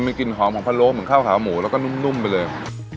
มีกลิ่นหอมของพะโล้เหมือนข้าวขาวหมูแล้วก็นุ่มไปเลย